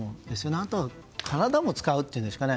あとは、体も使うというか。